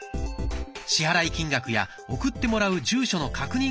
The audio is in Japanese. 支払い金額や送ってもらう住所の確認